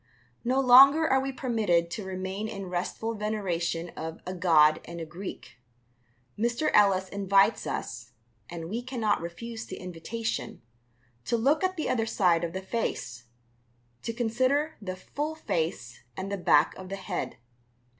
No longer are we permitted to remain in restful veneration of "a god and a Greek." Mr. Ellis invites us and we cannot refuse the invitation to look at the other side of the face, to consider the full face and the back of the head.